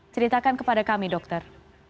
ceritakan kepada kami dokter